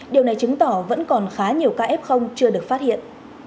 điều này chứng tỏ vẫn còn khá nhiều kf chưa được phát hiện